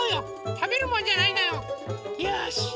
たべるもんじゃないんだよ。よし！